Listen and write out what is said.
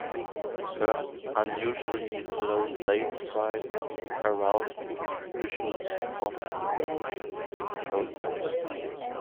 Her unusually low sales price aroused suspicions of collusion in the process.